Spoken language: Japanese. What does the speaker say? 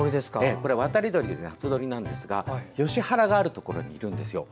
渡り鳥、夏鳥なんですがヨシ原があるところにいるんです。